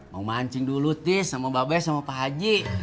mau mancing dulu tis sama mbak bey sama pak haji